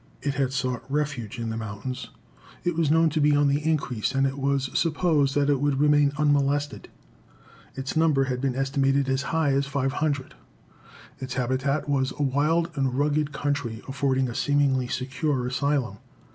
It had sought refuge in the mountains. It was known to be on the increase and it was supposed that it would remain unmolested. Its number had been estimated as high as 500. Its habitat was a wild and rugged country, affording a seemingly secure asylum.